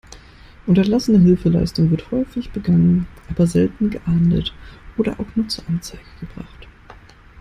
Unterlassene Hilfeleistung wird häufig begangen, aber selten geahndet oder auch nur zur Anzeige gebracht.